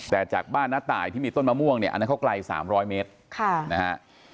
แต่จากบ้านน้าตายที่มีต้นมะม่วงเนี่ยอันนั้นเขาไกล๓๐๐เมตรนะฮะ